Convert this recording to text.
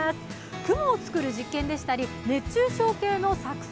雲を作る実験でしたり、熱中症計の作成。